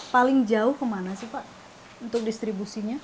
paling jauh kemana sih pak untuk distribusinya